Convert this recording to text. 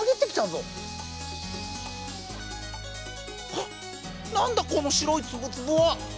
はっ何だこの白いツブツブは！